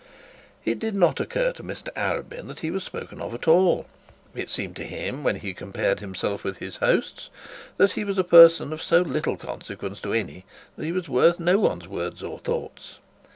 It did not occur to Mr Arabin that he was spoken of at all. It seemed to him, when he compared himself with his host, that he was a person of so little consequence to any, that he was worth no one's words or thoughts.